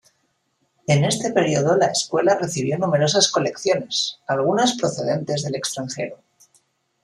En este periodo la Escuela recibió numerosas colecciones, algunas procedentes del extranjero.